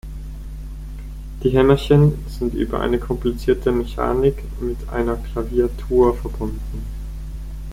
Die Hämmerchen sind über eine komplizierte Mechanik mit einer Klaviatur verbunden.